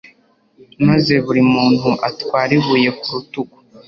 maze buri muntu atware ibuye ku rutugu